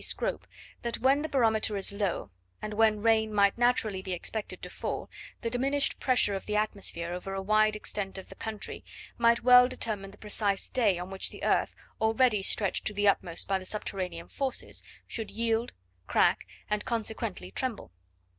Scrope, that when the barometer is low, and when rain might naturally be expected to fall, the diminished pressure of the atmosphere over a wide extent of country, might well determine the precise day on which the earth, already stretched to the utmost by the subterranean forces, should yield, crack, and consequently tremble.